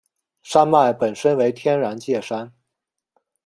山脉本身为天然界山。